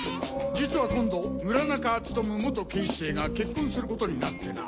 実は今度村中努警視正が結婚することになってな。